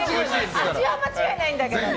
味は間違いないんだけどね。